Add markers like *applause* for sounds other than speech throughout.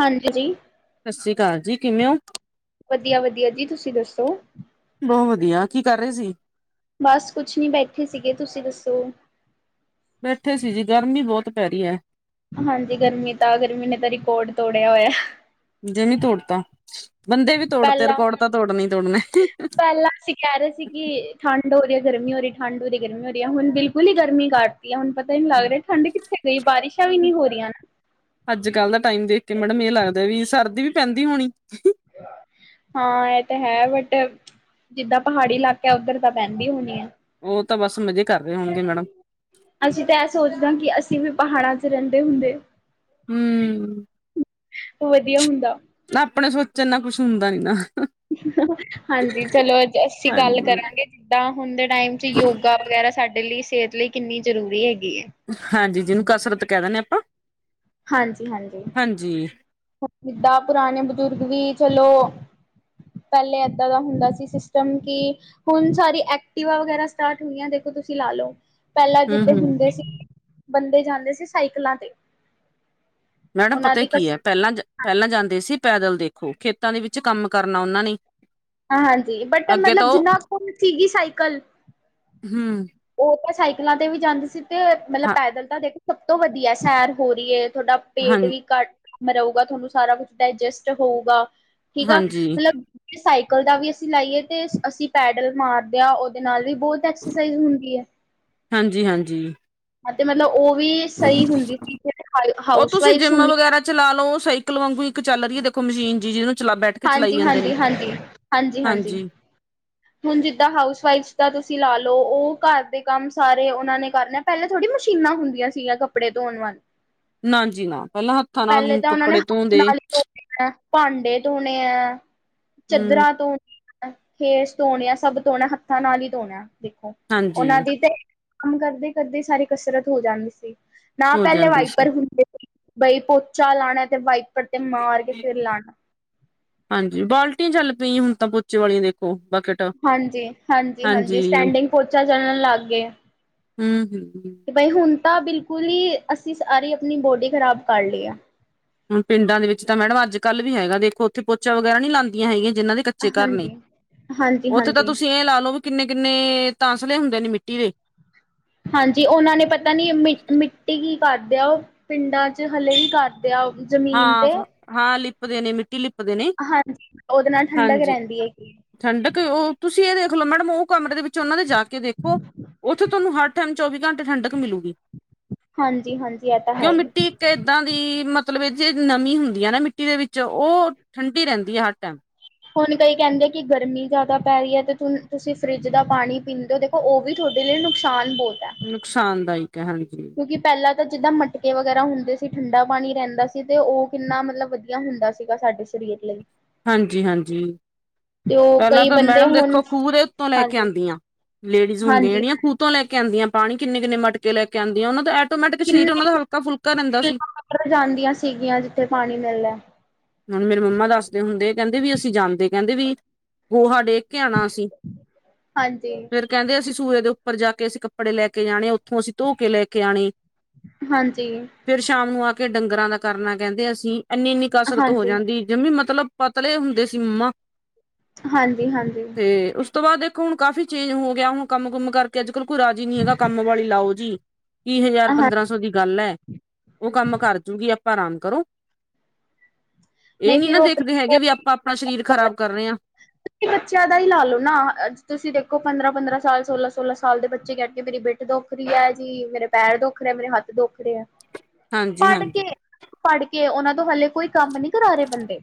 ਹਾਂਜੀ ਜੀ। ਸਤਿ ਸ੍ਰੀ ਅਕਾਲ ਜੀ ਕਿਵੇਂ ਹੋ? ਵਦੀਆ-ਵਦੀਆ ਜੀ ਤੁਸੀਂ ਦੱਸੋ? ਬੌ ਵਦੀਆ ਕੀ ਕਰ ਰਏ ਸੀ? ਬਸ ਕੁਛ ਨੀ ਬੈਠੇ ਸੀਗੇ ਤੁਸੀਂ ਦੱਸੋ? ਬੈਠੇ ਸੀ ਜੀ ਗਰਮੀ ਬੋਤ ਪੈ ਰੀ ਐ। ਹਾਂਜੀ ਗਰਮੀ ਤਾਂ ਗਰਮੀ ਨੇ ਤਾਂ ਰਿਕਾਰਡ ਤੋੜਿਆ ਹੋਇਆ। ਜੇਵੇ ਤੋੜਤਾ ਬੰਦੇ ਵੀ ਤੋੜ ਤੇ ਪਹਿਲਾਂ ਰਿਕੋੜ ਤਾ ਤੋੜਨੀ ਤੋੜਨੇ। ਪਹਿਲਾਂ ਅਸੀਂ ਕਹਿ ਰਹੇ ਸੀ ਕਿ ਠੰਡ ਹੋ ਰੀ ਐ, ਗਰਮੀ ਹੋ ਰੀ, ਠੰਢ ਹੋ ਰੀ ਗਰਮੀ ਹੋ ਰੀ ਐ ਹੁਣ ਬਿਲਕੁਲ ਈ ਗਰਮੀ ਕਾਟਤੀ ਐ ਹੁਨ ਪ ਤਾ ਈ ਨੀ ਲੱਗ ਰਿਆ ਠੰਢ ਕਿੱਥੇ ਗਈ? ਬਾਰਿਸ਼ਾਂ ਵੀ ਨੀ ਹੋ ਰਈਆਂ ਨਾ। ਆੱਜ-ਕੱਲ ਦਾ ਟਾਈਮ ਦੇਖ ਕੇ ਮੈਡਮ ਏ ਲੱਗਦਾ ਵੀ ਸਰਦੀ ਵੀ ਪੈਂਦੀ ਹੋਣੀ। ਹਾਂ ਐ ਤਾਂ ਹੈ ਬਟ ਜਿੱਦਾਂ ਪਹਾੜੀ ਇਲਾਕੇ ਉੱਦਰ ਤਾਂ ਪੈੰਦੀ ਹੋਣੀ ਐ। ਓ ਤਾਂ ਬਸ ਮਜ਼ੇ ਕਰ ਰੇ ਹੋਣਗੇ ਮੈਡਮ। ਅਸੀਂ ਤਾਂ ਐ ਸੋਚਦੇ ਆ ਕਿ ਅਸੀਂ ਵੀ ਪਹਾੜਾਂ ਚ ਰੈਂਦੇ ਹੁੰਦੇ। ਹੂੰ ਓ ਵਦੀਆ ਹੁੰਦਾ। ਨਾ ਆਪਣੇ ਸੋਚਣ ਨਾ ਕੁਛ ਹੁੰਦਾ ਨੀ ਨਾ। ਹਾਂਜੀ ਚਲੋ ਅੱਜ ਅਸੀਂ ਗੱਲ ਹਾਂਜੀ ਕਰਾਂਗੇ ਜਿਦਾਂ ਹੁਣ ਦੇ ਟਾਈਮ ਚ ਯੋਗਾ ਵਗੈਰਾ ਸਾਡੇ ਲਈ ਸ੍ਹੇਤ ਲਈ ਕਿੰਨੀ ਜ਼ਰੂਰੀ ਹੈਗੀ ਏ। ਹਾਂਜੀ ਜਿਨੂੰ ਕਸਰਤ ਕੈ ਦਿੰਨੇ ਆਪਾਂ। ਹਾਂਜੀ-ਹਾਂਜੀ। ਹਾਂਜੀ। ਜਿੱਦਾਂ ਪੁਰਾਣੇ ਬਜ਼ੁਰਗ ਵੀ ਚਲੋ ਪੈਲੇ ਏਦਾਂ ਦਾ ਹੁੰਦਾ ਸੀ ਸਿਸਟਮ ਕਿ ਹੁਣ ਸਾਰੀ ਐਕਟੀਵਾ ਵਗੈਰਾ ਸਟਾਰਟ ਹੋਈਆਂ ਦੇਖੋ ਤੁਸੀਂ ਲਾ ਲਓ। ਪੈਲਾਂ ਹੂੰ ਜਿੱਦਾਂ ਹੂੰ ਹੁੰਦੇ ਸੀ, ਬੰਦੇ ਜਾਂਦੇ ਸੀ ਸਾਈਕਲਾਂ ਤੇ। ਮੈਡਮ ਉਹਨਾਂ ਪਤਾ ਦੀ ਕੀ ਕਸ ਐ ਪੈਲਾਂ, ਪੈਲਾਂ ਜਾਂਦੇ ਸੀ ਪੈਦਲ ਦੇਖੋ, ਖੇਤਾਂ ਦੇ ਵਿੱਚ ਕੰਮ ਕਰਨਾ ਓਨਾਂ ਨੇ। ਹਾਂਜੀ, ਬਟ ਅੱਗੇ ਤਾਂ ਮਤਲਬ ਉਹ ਜਿੰਨਾ ਕੋਲ ਸੀਗੀ ਸਾਈਕਲ ਹੁੰ। ਓ ਤਾਂ ਸਾਈਕਲਾਂ ਤੇ ਵੀ ਜਾਂਦੇ ਸੀ ਤੇ ਮਤਲਬ ਹਾਂ ਪੈਦਲ ਤਾਂ ਦੇਖੋ ਸਬ ਤੋਂ ਵਦੀਆਂ ਸੈਰ ਹੋ ਰਈਏ ਤੁਆਡਾ ਹਾਂ ਪੇਟ ਵੀ ਘੱਟ ਰਊਗਾ, ਤੁਆਨੂੰ ਸਾਰਾ ਕੁਛ ਡਾਇਜਸਟ ਹੋਊਗਾ। ਠੀਕ ਆ ਹਾਂਜੀ ਮਤਲਬ ਤੇ ਸਾਈਕਲ ਦਾ ਵੀ ਅਸੀਂ ਲਾਈਏ ਤੇ ਅਸੀਂ ਪੈਡਲ ਮਾਰਦੇ ਆ, ਓਦੇ ਨਾਲ ਵੀ ਬੋਤ ਐਕਸਰਸਾਈਜ਼ ਹੁੰਦੀ ਹੈ। ਹਾਂਜੀ-ਹਾਂਜੀ। ਤੇ ਮਤਲਬ ਓ ਵੀ ਸਈ ਹੁੰਦੀ ਸੀ, ਹਾ ਉਹ ਹਾਊਸ ਤੁਸੀਂ ਵਾਈਫ ਜਿੰਮ ਹੁੰਦੀ ਵਗੈਰਾ ਚਲਾ ਲਓ ਸਾਈਕਲ ਵਾਂਗੂ ਇੱਕ ਚੱਲ ਰਈਏ ਦੇਖੋ ਇਕ ਮਸ਼ੀਨ ਜੀ ਜਿਨੂੰ ਚਲਾ ਬੈਠ ਕੇ ਚਲਾਈ ਹਾਂਜੀ ਜਾਂਦੇ ਨੇ, ਹਾਂਜੀ ਹਾਂਜੀ ਹਾਂਜੀ। ਹੁਣ ਜਿੱਦਾਂ ਹਾਊਸ ਵਾਈਫਸ ਦਾ ਤੁਸੀਂ ਲਾ ਲਓ, ਓ ਘਰ ਦੇ ਕੰਮ ਸਾਰੇ ਓਨਾਂ ਨੇ ਕਰਨੇ ਪੈਲਾਂ ਥੋੜੀ ਮਸ਼ੀਨਾਂ ਹੁੰਦੀਆਂ ਸਿਗਿਆ ਕੱਪੜੇ ਧੋਣ ਵਾਲੀ। ਨਾ ਜੀ ਨਾ, ਪੈਲਾਂ ਹੱਥਾਂ ਪਹਿਲੇ ਨਾਲ ਤਾਂ ਉਹਨਾਂ ਨੇ ਕੱਪੜੇ ਹੱਥ ਧੋਂਦੇ ਨਾਲ ਹੀ ਧੋਣੇ ਭਾਂਡੇ ਧੋਣੇ ਆ ਹਮ ਚਦਰਾ ਧੋ ਖੇਸ ਧੋਣੇ ਆ, ਸਬ ਧੋਣਾ ਹੱਥਾਂ ਨਾਲ ਈ ਧੋਣਾ ਦੇਖੋ, ਹਾਂਜੀ ਓਨਾਂ ਦੀ ਤੇ ਕੰਮ ਕਰਦੇ-ਕਰਦੇ ਸਾਰੀ ਕਸਰਤ ਹੋ ਜਾਂਦੀ ਸੀ, ਨਾ ਹੋ ਪੈਲੇ ਜਾਂਦੀ ਸੀ ਵਾਈਪਰ ਹੁੰਦੇ ਬਈ, ਪੋਚਾ ਲਾਣਾ ਤੇ ਵਾਈਪਰ ਤੇ ਮਾਰ ਕੇ ਫਿਰ ਲਾਣਾ। ਹਾਂਜੀ, ਬਾਲਟੀਆਂ ਚੱਲ ਪਈਆਂ ਹੁਣ ਤਾਂ, ਪੋਚੇ ਵਾਲੀਆਂ ਦੇਖੋ ਬਕਟ। ਹਾਂਜੀ, ਹਾਂਜੀ-ਹਾਂਜੀ, ਹਾਂਜੀ ਸਟੈਂਡਿੰਗ ਪੋਚਾ ਚੱਲਣ ਲੱਗ ਗਏ। ਹਮ ਹਮ ਬਈ, ਹੁਣ ਤਾਂ ਬਿਲਕੁਲ ਹੀ ਅਸੀਂ ਸਾਰੀ ਆਪਣੀ ਬੋਡੀ ਖ਼ਰਾਬ ਕਰ ਲਈ ਆ। ਹੁਣ ਪਿੰਡਾਂ ਦੇ ਵਿੱਚ ਮੈਡਮ ਅੱਜ-ਕਲ ਵੀ ਹੈਗਾ। ਦੇਖੋ, ਉੱਥੇ ਪੋਚਾ ਵਗੈਰਾ ਨਹੀਂ ਲਾਂਦੀਆਂ ਹੈਗੀਆਂ ਜਿਨ੍ਹਾਂ ਦੇ ਕੱਚੇ ਘਰ ਨੇ ਹਾਂਜੀ, ਹਾਂਜੀ, ਉੱਥੇ ਤਾਂ ਹਾਂਜੀ। ਤੁਸੀਂ ਇਹ ਲਾ ਲਓ ਵੀ ਕਿੰਨੇ-ਕਿੰਨੇ ਤਸਲੇ ਹੁੰਦੇ ਨੇ ਮਿੱਟੀ ਦੇ। ਹਾਂਜੀ, ਉਹਨਾਂ ਨੇ ਪਤਾ ਨੀ ਮ ਮਿੱਟੀ ਕੀ ਕਰਦੇ ਆ ਉਹ ਪਿੰਡਾਂ 'ਚ ਹਲੇ ਵੀ ਕਰਦੇ ਆ ਉਹ ਹਾਂ-ਹਾਂ, ਲਿਪਦੇ ਨੇ ਮਿੱਟੀ ਲਿਪ ਹਾਂਜੀ, ਉਹਦੇ ਨਾਲ ਠੰਡਕ ਰਹਿੰਦੀ ਹੈਗੀ ਏ। ਠੰਡਕ, ਉਹ ਤੁਸੀਂ ਇਹ ਦੇਖਲੋ ਮੈਡਮ ਉਹ ਕਮਰੇ ਦੇ ਵਿੱਚ ਉਹਨਾਂ ਦੇ ਜਾ ਕੇ ਦੇਖੋ, ਉੱਥੇ ਤੁਹਾਨੂੰ ਹਰ ਟਾਈਮ ਚੌਵੀ ਘੰਟੇ ਠੰਡਕ ਮਿਲੂਗੀ। ਹਾਂਜੀ-ਹਾਂਜੀ, ਇਹ ਤਾਂ ਹੈ ਹੀ ਏ। ਤੇ ਇਦਾਂ ਦੀ ਮਤਲਬ ਜੇ ਨਮੀ ਹੁੰਦੀ ਹੈ ਨਾ ਮਿੱਟੀ ਦੇ ਵਿੱਚ, ਉਹ ਠੰਡੀ ਰਹਿੰਦੀ ਹੈ ਹਰ ਟਾਈਮ। ਹੁਣ ਕਈ ਕਹਿੰਦੇ ਕਿ ਗਰਮੀ ਜ਼ਿਆਦਾ ਪੈ ਰਹੀ ਹੈ, ਤੇ ਤੁਸੀਂ ਫਰਿੱਜ ਦਾ ਪਾਣੀ ਪੀਂਦੇ ਹੋ ਉਹ ਵੀ ਤੁਹਾਡੇ ਲਈ ਨੁਕਸਾਨ ਬਹੁਤ ਏ। ਨੁਕਸਾਨਦਾਇਕ ਹੈ ਹਾਂਜੀ। ਕਿਉਂਕਿ ਪਹਿਲਾਂ ਤਾਂ ਜਿੱਦਾਂ ਮਟਕੇ ਵਗੈਰਾ ਹੁੰਦੇ ਸੀ, ਠੰਡਾ ਪਾਣੀ ਰਹਿੰਦਾ ਸੀ ਅਤੇ ਉਹ ਕਿੰਨਾ ਮਤਲਬ ਵਧੀਆ ਹੁੰਦਾ ਸੀਗਾ ਸਾਡੇ ਸਰੀਰ ਲਈ ਹਾਂਜੀ-ਹਾਂਜੀ। ਤੇ ਉਹ ਪਹਿਲਾਂ ਕਈ ਤਾਂ ਬੰਦੇ ਮੈਡਮ ਦੇਖੋ ਹੁਣ ਖੂਹ ਦੇ ਉੱਤੋਂ ਲੈ ਕੇ ਹਾਂਜੀ ਆਉਂਦੀਆਂ, ਲੇਡੀਜ਼ ਹੁੰਦੀਆਂ ਹਾਂਜੀ ਜੜੀਆਂ ਖੂਹ ਖੂਹ ਤੋਂ ਲੈ ਆਉਂਦੀਆਂ ਪਾਣੀ, ਕਿੰਨੇ-ਕਿੰਨੇ ਮਟਕੇ ਲੈ ਕੇ ਆਂਦੀਆਂ। ਉਹਨਾਂ ਦਾ ਐਟੋਮੈਟਿਕ ਸ਼ਰੀਰ ਉਹਨਾਂ ਦਾ ਹਲਕਾ ਫੁਲਕਾ ਰਹਿੰਦਾ ਸੀ। ਉੱਪਰ ਜਾਂਦੀਆਂ ਸੀਗੀਆਂ ਜਿੱਥੇ ਪਾਣੀ ਮਿਲਦਾ। ਹੁਣ ਮੇਰੇ ਮੰਮਾ ਦੱਸਦੇ ਹੁੰਦੇ, ਕਹਿੰਦੇ ਵੀ ਅਸੀਂ ਜਾਂਦੇ ਕਹਿੰਦੇ ਵੀ ਗੋਹਾ ਡੇ ਗ ਕੇ ਆਉਣਾ ਅਸੀਂ, ਹਾਂਜੀ ਫਿਰ ਕਹਿੰਦੇ ਅਸੀਂ ਸੂਏ ਦੇ ਉੱਪਰ ਜਾ ਕੇ ਅਸੀਂ ਕੱਪੜੇ ਲੈ ਕੇ ਜਾਣੇ, ਉੱਥੋਂ ਅਸੀਂ ਧੋ ਕੇ ਲੈ ਕੇ ਆਉਣੇ। ਹਾਂਜੀ। ਫੇਰ ਸ਼ਾਮ ਨੂੰ ਆ ਕੇ ਡੰਗਰਾਂ ਦਾ ਕਰਨਾ ਕਹਿੰਦੇ ਅਸੀਂ, ਇੰਨੀ-ਇੰਨੀ ਕਸਰਤ ਹਾਂਜੀ ਕਿ ਜਮੀ ਮਤਲਬ ਪਤਲੇ ਹੁੰਦੇ ਸੀ ਮੰਮਾ। ਹਾਂਜੀ-ਹਾਂਜੀ ਤੇ ਉਸ ਤੋਂ ਬਾਅਦ ਦੇਖੋ ਹੁਣ ਕਾਫ਼ੀ ਚੇਂਜ ਹੋ ਗਿਆ, ਹੁਣ ਕੰਮ ਕੁੁਮ ਕਰਕੇ ਅੱਜਕਲ ਕੋਈ ਰਾਜੀ ਨੀ ਹੈਗਾ, ਕੰਮ ਵਾਲੀ ਲਾਓ ਜੀ। ਕੀ ਹਜ਼ਾਰ ਹਾਂ ਪੰਦਰਾਂ ਸੌ ਦੀ ਗੱਲ ਏ। ਉਹ ਕੰਮ ਕਰ ਜੂਗੀ, ਆਪਾਂ ਆਰਾਮ ਕਰੋ। ਇਹ ਨਹੀਂ ਨੀ ਨਾ ਫਿਰ ਉਹ ਦੇਖਦੇ ਹੈਗੇ ਵੀ ਆਪਾਂ ਆਪਣਾ ਸਰੀਰ ਖ਼ਰਾਬ ਕਰ ਰਹੇ ਹਾਂ ਕਿ ਬੱਚਿਆਂ ਦਾ ਹੀ ਲਾ ਲੋ ਨਾ ਅੱਜ ਤੁਸੀਂ ਦੇਖੋ ਪੰਦਰਾਂ ਪੰਦਰਾਂ ਸਾਲ ਸੋਲਾਂ ਸੋਲਾਂ ਸਾਲ ਦੇ ਬੱਚੇ ਕਹਿ ਕੇ ਮੇਰੀ ਬੇਟੀ ਦੁੱਖ ਰਹੀ ਹੈ ਜੀ ਮੇਰੇ ਪੈਰ ਦੁੱਖ ਰਿਹਾ ਮੇਰੇ ਹੱਥ ਦੁੱਖ ਰਹੇ ਐ ਹਾਂਜੀ ਪੜ੍ਹ ਕੇ ਹਾਂਜੀ ਪੜ੍ਹ ਕੇ ਉਹਨਾਂ ਤੋਂ ਹਲੇ ਕੋਈ ਕੰਮ ਨਹੀਂ ਕਰਾ ਰਹੇ ਬੰਦੇ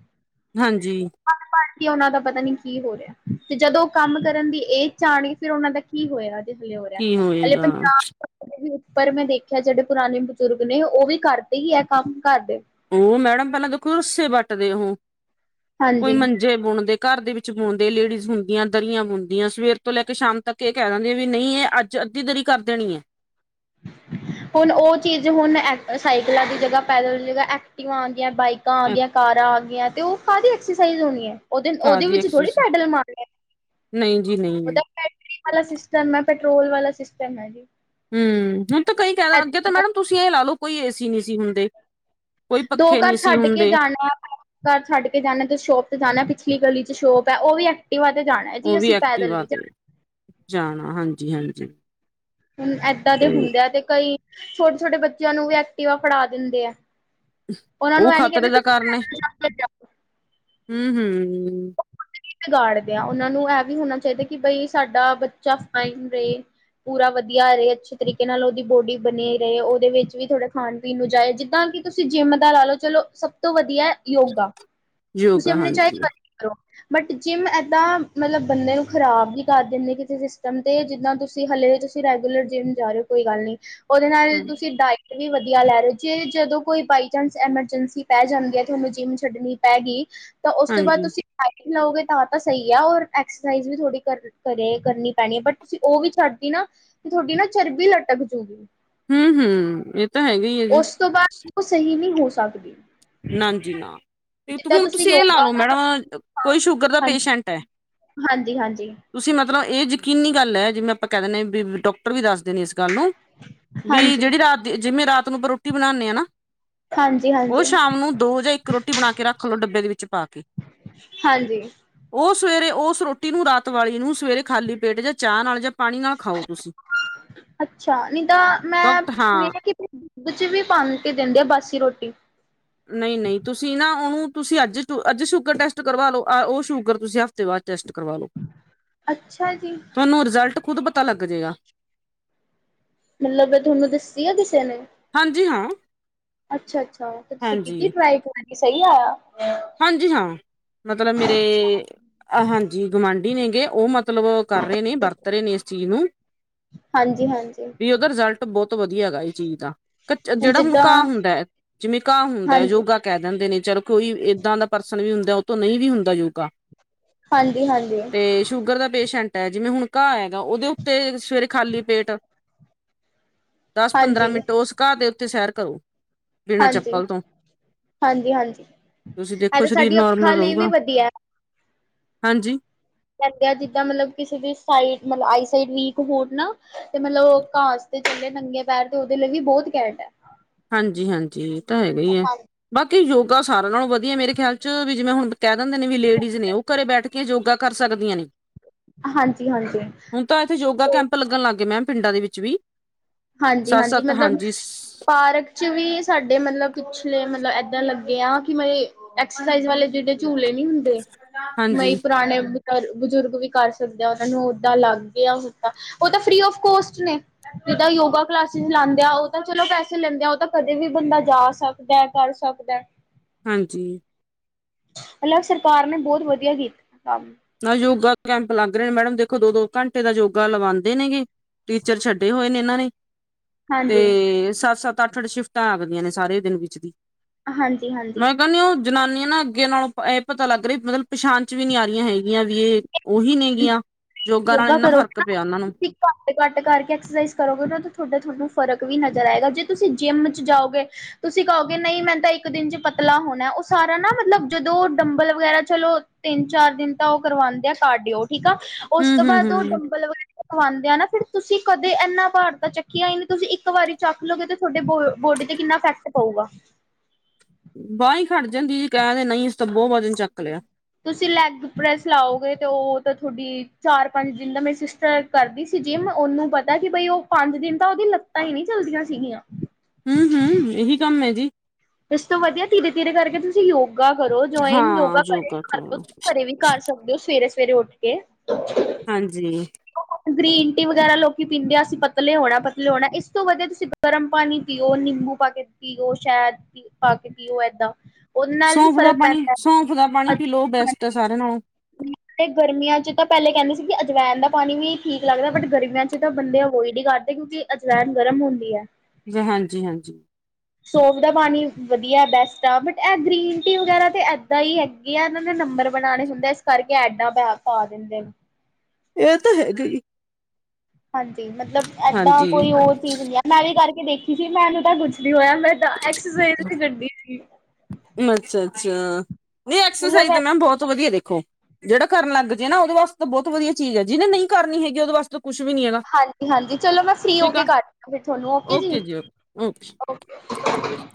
ਹਾਂਜੀ ਪੜ ਪੜ ਕੇ ਪਤਾ ਨੀ ਉਹਨਾਂ ਦਾ ਕੀ ਹੋ ਰਿਹਾ ਤੇ ਜਦੋਂ ਉਹ ਕੰਮ ਕਰਨ ਦੀ ਏਜ ਚ ਆਣਗੇ ਫਿਰ ਉਹਨਾਂ ਦਾ ਕੀ ਹੋਇਆ ਇਸ ਲਈ ਹੋ ਰਿਹਾ ਕੀ ਹਲੇ ਹੋਏਗਾ ਪੰਜਾਬ ਵੀ ਉੱਪਰ ਮੈਂ ਦੇਖਿਆ ਜਿਹੜੇ ਪੁਰਾਣੇ ਬਜ਼ੁਰਗ ਨੇ ਉਹ ਵੀ ਕਰਦੇ ਹੀ ਹੈ ਕੰਮ ਘਰਦੇ ਉਹ ਮੈਡਮ ਪਹਿਲਾਂ ਦੇਖੋ ਰੁੱਸੇ ਵੱਟਦੇ ਉਹੋ ਕੋਈ ਹਾਂਜੀ ਮੰ ਜੇ ਬੁਣਦੇ ਘਰ ਦੇ ਵਿੱਚ ਬੁਣਦੇ ਲੇਡੀਜ਼ ਹੁੰਦੀਆਂ ਦਰੀਆਂ ਬੁਣਦੀਆਂ ਸਵੇਰ ਤੋਂ ਲੈ ਕੇ ਸ਼ਾਮ ਤੱਕ ਇਹ ਕਹਿ ਦਿੰਦੇ ਆ ਵੀ ਨਹੀਂ ਇਹ ਅੱਜ ਅੱਧੀ ਦਰੀ ਕਰ ਦੇਣੀ ਹੁਨ ਓ ਚੀਜ ਹੁਨ ਸਾਈਕਲਾਂ ਦੀ ਜਗਾ ਪੈਦਲ ਦੀ ਜਗਾ ਐਕ ਟਿਵਾ ਆਗੀਆਂ, ਬਾਈਕਾਂ ਆ ਹੈ। ਗੀਆਂ, ਕਾਰਾਂ ਆ ਗਈਆਂ ਤੇ ਓ ਕਾਦੀ ਐਕਸਰਸਾਈਜ਼ ਹੋਣੀ ਐ। ਓਦੇ ਭਰਾ ਓਦੇ ਦੀ ਵਿੱਚ ਥੋੜੀ ਐਕਸਰਸਾਈਜ਼ ਪੈਡਲ ਮਾਰਨੇ ਐ ਨਹੀਂ ਜੀ ਨਹੀਂ ਓਤਾ ਬੈਟਰੀ ਵਾਲਾ ਸਿਸਟਮ ਐ ਪੈਟਰੋਲ ਵਾਲਾ ਸਿਸਟਮ ਐ ਜੀ। ਹੂੰ, ਹੁਨ ਤਾਂ ਕਈ ਕੈ ਅੱਗੇ ਤਾਂ ਮੈਡਮ ਤੁਸੀ ਏ ਲਾ ਲਓ ਕੋਈ ਏਸੀ ਨੀਸੀ ਹੁੰਦੇ। ਕੋਈ ਦੋ ਪੱਖੇ ਘਰ ਨਹੀਂ ਸੀ ਛੱਡ ਕੇ ਹੁੰਦੇ ਜਾਣਾ ਘਰ ਛੱਡ ਕੇ ਜਾਣਾ ਤੁਸ ਸ਼ੋਪ ਤੇ ਜਾਣਾ ਪਿਛਲੀ ਗਲੀ ਚ ਸ਼ੋਪ ਐ ਓ ਵੀ ਐਕ ਟਿਵਾ ਤੇ ਜਾਣਾ ਜੀ ਉਹ ਵੀ ਅਸੀ ਪੈਦਲ ਐਕਟਿਵਾ ਨੀ ਤੇ ਜਾਣਾ ਜਾਣਾ ਹਾਂਜੀ ਹਾਂਜੀ। ਹੁਨ ਐਦਾਂ ਦੇ ਤੇ ਹੁੰਦੇ ਆ ਤੇ ਕਈ ਛੋਟੇ ਛੋਟੇ ਬੱਚੇਆਂ ਨੂੰ ਵੀ ਐਕਟੀਿਵਾ ਫੜਾ ਦਿੰਦੇ ਐ। ਓਨਾਂ ਨੂੰ ਉਹ ਐ ਨੀ ਖ਼ਤਰੇ ਕੇਂਦੇ ਦਾ ਤੁਸੀ ਕਾਰਨ ਹੈ *inaudible* ਹੂੰ ਹੂੰ। ਵਿਗਾੜਦੇ ਆ ਓਨਾਂ ਨੂੰ ਐ ਵੀ ਹੋਨਾ ਚਾਈਦਾ ਕਿ ਬਈ ਸਾਡਾ ਬੱਚਾ ਫਾਈਨ ਰਏ। ਪੂਰਾ ਵਧੀਆ ਰਏ। ਅੱਛੇ ਤਰੀਕੇ ਨਾਲ ਓਦੀ ਬੋਡੀ ਬਨੀ ਰਏ। ਓਦੇ ਵਿੱਚ ਵੀ ਥੋੜੇ ਖਾਣ ਪੀਣ ਨੂੰ ਜਾਏ। ਜਿੱਦਾਂ ਕਿ ਤੁਸੀ ਜਿੰਮ ਦਾ ਲਾ ਲਓ ਚਲੋ ਸਭ ਤੋਂ ਵਧੀਆ ਐ ਯੋਗਾ। ਤੁਸੀ ਯੋਗਾ ਅਪਣੇ ਚਾਏ ਹਾਂਜੀ ਘਰ ਈ ਕਰੋ। ਬਟ ਜਿੰਮ ਐਦਾਂ ਮਤਲਬ ਬੰਦੇ ਨੂੰ ਖ਼ਰਾਬ ਵੀ ਕਰ ਦਿੰਦੇ ਕਿਸੇ ਸਿਸਟਮ ਤੇ ਜਿੱਦਾਂ ਤੁਸੀਂ ਹਲੇੇ ਤੁਸੀ ਰੈਗੂਲਰ ਜਿੰਮ ਜਾ ਰੇ ਓ ਕੋਈ ਗੱਲ ਨੀ। ਓਦੇ ਨਾਲ ਹਾਂ, ਤੁਸੀ ਡਾਇ ਵੀ ਵਧੀਆ ਲੈ ਰੇ। ਜੇ ਜਦੋਂ ਕੋਈ ਬਾਈ ਚਾਂਸ ਐਮਰਜੈਂਸੀ ਪੈ ਜਾਂਦੀ ਐ ਤੇ ਓਨੂੰ ਜਿੰਮ ਛੱਡਨੀ ਪੈਗੀ ਤਾਂ ਓਸ ਤੋਂ ਬਾਦ ਹਾਂਜੀ ਤੁਸੀ ਡਾਈਟ ਲਓਗੇ ਤਾਂ ਸਈ ਆ ਔਰ ਐਕਸਰਸਾਈਜ਼ ਵੀ ਥੋੜੀ ਕਰਨ ਘਰੇ ਕਰਨੀ ਪੈਨੀ ਏ। ਬਟ ਤੁਸੀ ਓਵੀ ਛੱਡਤੀ ਨਾ ਤੇ ਤਾਡੀ ਨਾ ਚਰਬੀ ਲਟਕ ਜੂਗੀ। ਹੂੰ ਹੂਂ ਏ ਤਾਂ ਹੈਗਾ ਈ ਐ ਜੀ। ਓ ਸਹੀ ਨੀ ਹੋ ਸਕਦੀ। ਨਾਂਜੀ ਨਾ। ਤੇ ਜਿੱਦਾਂ ਹੁਣ ਤੁਸੀਂ ਤੁਸੀ ਏ ਲਾ ਯੋਗਾ ਲਓ ਕਰ ਮੈਡਮ ਕੋਈ ਸ਼ੂਗਰ ਦਾ ਹਾਂਜੀ ਪੇਸ਼ੈਂਟ ਐ। ਹਾਂਜੀ ਹਾਂਜੀ ਤੁਸੀ ਮਤਲਬ ਏ ਜਕੀਨੀ ਗੱਲ ਐ ਜਿਵੇਂ ਆਪਾਂ ਕੈ ਦਿਨੇ ਵੀ ਡਾਕਟਰ ਵੀ ਦੱਸਦੇ ਨੇ ਏਸ ਗੱਲ ਨੂੰ ਵੀ ਹਾਂਜੀ, ਜੇੜੀ ਰਾਤ ਦੀ ਜਿਮੇਂ ਰਾਤ ਨੂੰ ਆਪਾਂ ਰੋਟੀ ਬਣਾਨੇ ਆ ਨਾ। ਹਾਂਜੀ ਹਾਂ ਓ ਸ਼ਾਮ ਨੂੰ ਦੋ ਜਾਂ ਇੱਕ ਰੋਟੀ ਬਣਾ ਕੇ ਰੱਖ ਲੋ ਡੱਬੇ ਦੇ ਵਿੱਚ ਪਾ ਕੇ। ਹਾਂਜੀ। ਓ ਸਵੇਰੇ ਉਸ ਰੋਟੀ ਨੂੰ ਰਾਤ ਵਾਲੀ ਨੂੰ ਸਵੇਰੇ ਖਾਲੀ ਪੇਟ ਜਾਂ ਚਾ ਨਾਲ ਜਾਂ ਪਾਣੀ ਨਾਲ ਖਾਓ ਤੁਸੀਂ ਅੱਛਾ ਨੀ ਤਾਂ ਮੈਂ ਡਾਕਟਰ ਹਾਂ ਸੁਨੇਆ ਕਿ ਦੁੱਧ ਚ ਵੀ ਪਾਨ ਕੇ ਦੇਂਦੇ ਆ ਬਾਸੀ ਰੋਟੀ। ਨਈ ਨਈ ਤੁਸੀ ਨਾ ਓਨੂੰ ਤੁਸੀ ਅੱਜ ਅੱਜ ਸ਼ੂਗਰ ਟੈਸਟ ਕਰਵਾ ਲਓ ਓ ਸ਼ੂਗਰ ਤੁਸੀ ਤੇ ਬਾਦ ਟੈਸਟ ਕਰਵਾ ਲੋ। ਅੱਛਾ ਜੀ, ਤਾਨੂੰ ਰਿਜ਼ਲਟ ਖੁਦ ਪਤਾ ਲੱਗ ਜੇਗਾ। ਮਲਬ ਐ ਤੋਨੂੰ ਦੱਸੀ ਆ ਕਿਸੇ ਨੇ। ਹਾਂਜੀ ਹਾਂ ਅੱਛਾ ਅੱਛਾ ਤੇ ਤੁਸੀ ਕੀਤੀ ਹਾਂਜੀ ਟਰਾਈ ਸਈ ਆਏਆ। ਹਾਂਜੀ ਹਾਂ ਮਤਲਬ ਮੇਰੇ ਹਾਂਜੀ ਗਵਾਂਢੀ ਨੇ ਗੋ ਓ ਮਤਲ ਮਤਲਬ ਓ ਕਰ ਰੇ ਨੇ ਵਰਤ ਰ ਨੇ ਏਸ ਚੀਜ਼ ਨੂੰ ਹਾਂਜੀ, ਹਾਂਜੀ ਵੀ ਦਾ ਰਿਜਲਟ ਬੋਤ ਵਧੀਆ ਹੈਗਾ ਏ ਚੀਜ਼ ਦਾ ਕਚ ਜੇੜਾ ਹੁਣ ਘਾ ਹੁੰਦਾ ਐ ਜਿਵੇਂ ਘਾ ਹੁੰਦਾ ਹਾਂਜੀ, ਹਾਂਜੀ, ਯੋਗਾ ਕੈ ਦਿੰਦੇ ਨੇ ਚਲੋ ਕੋਈ ਦਾ ਪਰਸਨ ਵੀ ਹੁੰਦਾ ਐ ਤੋਂ ਨਈ ਵੀ ਹੁੰਦਾ ਯੋਗਾ। ਹਾਂਜੀ ਹਾਂਜੀ। ਤੇ ਸ਼ੂਗਰ ਦਾ ਪੇਸ਼ੈਂਟ ਐ। ਜਿਵੇਂ ਹੁਣ ਘਾਹ ਹੈਗਾ ਓਦੇ ਉੱਤੇ ਸਵੇਰੇ ਖਾਲੀ ਪੇਟ ਦਸ ਪੰਦਰਾਂ ਮਿੰਟ ਓਸ ਘਾਹ ਦੇ ਉੱਤੇ ਸੈਰ ਕਰੋ। ਬਿਨਾਂ ਹਾਂਜੀ ਚੱਪਲ ਤੋਂ -ਹਾਂਜੀ ਹਾਂਜੀ। ਤੁਸੀਂ ਇਹ ਦੇਖੋ ਤਾਂ ਸਰੀਰ ਸਾਡੀ ਨੋਰਮਲ ਅੱਖਾਂ ਲਈ ਵੀ ਰਊਗਾ, ਵਧੀਆ। ਹਾਂਜੀ। ਦਿਆ ਜਿੱਦਾਂ ਮਲਬ ਕਿਸੇ ਦੀ ਸਾਈਡ ਮਤਲਬ ਆਈਸਾਈਡ ਵੀਕ ਹੋਰ ਨਾ ਤੇ ਮਲਬ ਓ ਘਾਸ ਤੇ ਚਲੇ ਨੰਗੇ ਪੈਰ ਤੇ ਓਦੇ ਲਈ ਵੀ ਬੋਤ ਘੈਂਟ ਐ। ਹਾਂਜੀ ਹਾਂਜੀ ਏ ਤਾਂ ਹੈਗਾ ਈ ਐ, ਬਾਕੀ ਯੋਗਾ ਸਾਰਿਆਂ ਨਾਲੋਂ ਵਧੀਆ। ਮੇਰੇ ਖਿਆਲ 'ਚ ਵੀ ਜਿਵੇਂ ਹੁਣ ਕੈ ਦਿੰਦੇ ਨੇ ਵੀ ਲੇਡੀਜ਼ ਨੇ ਓ ਘਰੇ ਬੈਠ ਕੇ ਯੋਗਾ ਕਰ ਸਕਦੀਆਂ ਨੇ। ਹਾਂਜੀ ਹਾਂਜੀ। ਹੁੁਣ ਤਾਂ ਏਥੇ ਯੋਗਾ ਕੈਂਪ ਲੱਗਣ ਲੱਗ ਗੇ ਮੈਮ ਪਿੰਡਾਂ ਦੇ ਵਿੱਚ ਵੀ। ਸੱਤ ਹਾਂਜੀ-ਹਾਂਜੀ ਸੱਤ ਮਤਲਬ ਹਾਂਜੀ ਪਾਰਕ 'ਚ ਵੀ ਸਾਡੇ ਮਲਬ ਪਿਛਲੇ ਮਲਬ ਇੱਦਾਂ ਲੱਗੇ ਆ। ਕਿ ਮਈੰ ਐਕਸਰਸਾਈਜ਼ ਵਾਲੇ ਜੇੜੇ ਝੂਲੇ ਨੀ ਹੁੰਦੇ, ਮਈੰ ਹਾਂਜੀ-ਹਾਂਜੀ ਪਰਾਣੇ ਕਰ ਬਜ਼ੁਰਗ ਵੀ ਕਰ ਸਕਦੇ ਆ, ਓਨਾਂ ਨੂੰ ਓਦਾਂ ਲੱਗ ਗਿਆ ਹ ਓ ਤਾਂ ਫ੍ਰੀ ਆਫ ਕੋਸਟ ਨੇ। ਜਿੱਦਾਂ ਯੋਗਾ ਕਲਾਸਿਸ ਲਾਂਦੇ ਆਂ, ਓ ਤਾਂ ਚਲੋ ਪੈਸੇ ਲੈਂਦੇ ਆ। ਓ ਤਾਂ ਕਦੇ ਵੀ ਬੰਦਾ ਜਾ ਸਕਦਾ ਕਰ ਸਕਦਾ। ਹਾਂਜੀ। ਮਲਬ ਸਰਕਾਰ ਨੇ ਬੋਤ ਵਧੀਆ ਕੀਤਾ ਕੰਮ। ਨਾ ਯੋਗਾ ਕੈਂਪ ਲੱਗ ਰਹੇ ਨੇ, ਮੈਡਮ ਦੇਖੋ ਦੋ ਦੋ ਘੰਟੇ ਦਾ ਯੋਗਾ ਲਗਾਂਦੇ ਨੇਗੇ। ਟੀਚਰ ਛੱਡੇ ਹੋਏ ਨੇ ਏਨਾਂ ਨੇ। ਹਾਂਜੀ, ਤੇ ਸੱਤ -ਸੱਤ ਅੱਠ -ਅੱਠ ਸ਼ਿਫਟਾਂ ਲਗਦੀਆਂ ਨੇ ਸਾਰੇ ਦਿਨ ਵਿੱਚ ਦੀ। ਹਾਂਜੀ-ਹਾਂਜੀ ਮੈਂ ਕੈਨੀ ਓ ਜਨਾਨੀਆਂ ਨਾ ਅੱਗੇ ਨਾਲੋਂ, ਐ ਪਤਾ ਲੱਗ ਰੀ ਮਲਬ ਪਛਾਣ 'ਚ ਵੀ ਨੀ ਆ ਰੀਆਂ ਹੈਗੀਆਂ। ਗੀਆਂ ਵੀ ਏ ਓਹੀ ਨੇਗੀਆਂ। ਨਾਲ ਯੋਗਾ ਇੰਨਾ ਫ਼ਰਕ ਕਰੋਗੇ ਨਾ, ਪਿਆ ਉਹਨਾਂ ਨੂੰ ਤੁਸੀ ਘੱਟ ਘੱਟ ਕਰਕੇ ਐਕਸਰਸਾਈਜ਼ ਕਰੋਗੇ ਓ, ਤੇ ਤੁਆਡਾ ਤੁਆਨੂੰ ਫਰਕ ਵੀ ਨਜ਼ਰ ਆਏਗਾ। ਜੇ ਤੁਸੀਂ ਜਿੰਮ 'ਚ ਜਾਓਗੇ ਤੁਸੀਂ ਕਓਗੇ ਨਈ ਮੈਂ ਤਾਂ ਇੱਕ ਦਿਨ 'ਚ ਪਤਲਾ ਹੋਣਾ, ਓ ਸਾਰਾ ਨਾ ਮਤਲਬ ਜਦੋਂ ਡੰਬਲ ਵਗੈਰਾ ਚਲੋ ਤਿੰਨ ਚਾਰ ਦਿਨ ਤਾਂ ਓ ਕਰਵਾਂਦੇ ਆ ਕਾਡਿਓ ਠੀਕ ਆ, ਓਸ ਹੂੰ ਤੋਂ ਹੂੰ ਬਾਦ ਓਹ ਹੂੰ ਡੰਬਲ ਵਗੈਰਾ ਵਾਂਦੇ ਆ ਨਾ ਫ਼ਿਰ ਤੁਸੀਂ ਕਦੇ ਏਨਾ ਭਾਰ ਤਾਂ ਚੱਕਿਆ ਈ ਨੀ, ਤੁਸੀਂ ਇੱਕ ਵਾਰੀ ਚੱਕ ਲਓਗੇ ਤੇ ਥੋਡੇ ਬੋਡੀ ਤੇ ਕਿੰਨਾ ਇਫੈਕਟ ਪਊਗਾ। ਬਾ ਈੰ ਖੜ ਜਾਂਦੀ, ਜੀ ਕੈਂਦੇ ਨਈ ਅਸੀ ਤੇ ਬੋ ਵਜਨ ਚੱਕ ਲਿਆ। ਤੁਸੀਂ ਲੈਗ ਪ੍ਰੈਸ ਲਾਓਗੇ ਤੇ, ਓ ਤਾਂ ਥੋਡੀ ਚਾਰ ਪੰਜ ਦਿਨ ਦਾ ਮੇਰੀ ਸਿਸਟਰ ਕਰਦੀ ਸੀ ਜਿਮ ਓਨੂੰ ਪਤਾ ਕੀ ਬਈ ਓ ਪੰਜ ਦਿਨ ਤਾਂ ਓਦੀ ਲੱਤਾਂ ਈ ਨੀ ਚੱਲਦੀਆਂ ਸੀਗੀਆਂ। ਹੂੰ ਹੂੰ ਏਹੀ ਕੰਮ ਐ ਜੀ। ਇਸ ਤੋਂ ਵਧੀਆ ਧੀਰੇ ਧੀਰੇ ਕਰਕੇ ਤੁਸੀਂ ਯੋਗਾ ਕਰੋ, ਜੁਆਇਨ ਹਾਂ ਯੋਗਾ ਘਰੇ ਕਰ ਲੋ ਕਰੋ ਘਰੇ ਵੀ। ਕਰ ਸਕਦੇ ਓ ਸਵੇਰੇ ਸਵੇਰੇ ਉੱਠ ਕੇ। ਹਾਂਜੀ। ਗ੍ਰੀਨ ਟੀ ਵਗੈਰਾ ਲੋਕੀ ਪੀਂਦੇ ਆ, ਅਸੀਂ ਪਤਲੇ ਹੋਣਾ ਪਤਲੇ ਹੋਣਾ। ਏਸ ਤੋਂ ਵਧੀਆ ਤੁਸੀਂ ਗਰਮ ਪਾਣੀ ਪੀਓ, ਨਿੰਬੂ ਪਾ ਕੇ ਪੀਓ, ਸ਼ੈਦ ਪੀ ਪਾ ਕੇ ਪੀਓ ਏਦਾਂ। ਉਹਦੇ ਨਾਲ ਵੀ ਸੌਂਫ ਦਾ ਫ਼ਰਕ ਪਾਣੀ, ਪੈਂਦਾ। ਸੌਂਫ ਦਾ ਪਾਣੀ ਪੀ ਲੋ ਬੈਸਟ ਐ ਸਾਰਿਆਂ ਨਾਲੋਂ। ਤੇ ਗਰਮੀਆਂ 'ਚ ਤਾਂ ਪੈਲੇ ਕੈਂਦੇ ਸੀ ਕੀ ਅਜਵੈਨ ਦਾ ਪਾਣੀ ਵੀ ਠੀਕ ਲੱਗਦਾ, ਬਟ ਗਰਮੀਆਂ 'ਚ ਤਾਂ ਬੰਦੇ ਅਵੋਇਡ ਈ ਕਰਦੇ। ਕਿਉਂਕਿ ਅਜਵੈਨ ਗਰਮ ਹੁੰਦੀ ਐ। ਜੀ ਹਾਂਜੀ ਹਾਂਜੀ। ਸੋਫ ਦਾ ਪਾਣੀ ਵਧੀਆ ਬੈਸਟ ਆ, ਬਟ ਐ ਗ੍ਰੀਨ ਟੀ ਵਗੈਰਾ ਤਾਂ ਏਦਾਂ ਈ ਐ। ਏ ਆ ਓਨਾਂ ਨੇ ਨੰਬਰ ਬਣਾਣੇ ਹੁੰਦੇ, ਇਸ ਕਰਕੇ ਐਡਾਂ ਪੈ ਪਾ ਦਿੰਦੇ ਨੇ। ਏ ਤਾਂ ਹੈਗਾ ਈ। ਹਾਂਜੀ ਮਤਲਬ ਏਦਾਂ ਕੋਈ ਹੋਰ ਚੀਜ਼ ਨੀ ਐ, ਮੈਂ ਵੀ ਕਰਕੇ ਦੇਖੀ ਸੀ ਮੈਨੂੰ ਤਾਂ ਕੁਛ ਨੀ ਹੋਇਆ। ਮੈਂ ਤਾਂ ਐਕਸਰਸਾਈਜ਼ ਵੀ ਕਰਦੀ। ਸੀ ਅੱਛਾ- ਅੱਛਾ, ਨਈ ਮਤਲਬ ਐਕਸਰਸਾਈਜ਼ ਤੇ ਮੈਮ ਬੋਤ ਵਧੀਆ ਦੇਖੋ। ਜਿਹੜਾ ਕਰਨ ਲੱਗ ਜੇ ਨਾ ਉਹਦੇ ਵਾਸਤੇ ਬਹੁਤ ਵਧੀਆ ਚੀਜ਼ ਹੈ, ਜਿਹਨੇ ਨਹੀਂ ਕਰਨੀ ਹੈਗੀ ਉਹਦੇ ਵਾਸਤੇ ਕੁਛ ਵੀ ਨੀ ਹੈਗਾ। ਹਾਂਜੀ-ਹਾਂਜੀ ਚਲੋ ਮੈਂ ਫਰੀ ਹੋ ਠੀਕ ਕੇ ਆ ਕਰਦੀਆਂ ਫਿਰ ਤੁਹਾਨੂੰ, ਓਕੇ ਜੀ। ਓਕੇ।